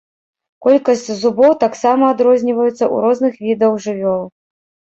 Колькасць зубоў таксама адрозніваецца ў розных відаў жывёл.